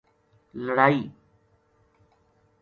لڑائی